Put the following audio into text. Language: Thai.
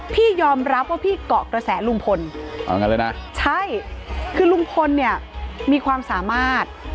พี่ยอมรับว่าพี่เกาะกระแสลุงพลใช่คือลุงพลเนี่ยมีความสามารถ